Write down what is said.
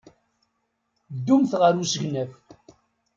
Ddumt ɣer usegnaf.